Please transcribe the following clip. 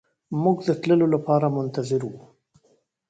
موږ د تللو لپاره منتظر وو.